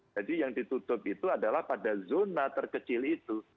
jadi yang ditutup itu adalah pada zona terkecil itu